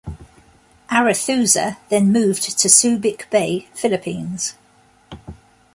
"Arethusa" then moved to Subic Bay, Philippines.